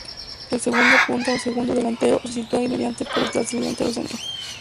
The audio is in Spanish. El segunda punta o segundo delantero se sitúa inmediatamente por detrás del delantero centro.